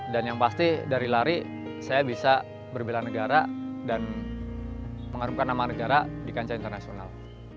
dan yang pasti dari lari saya bisa berbelan negara dan menghargai nama negara di kancah internasional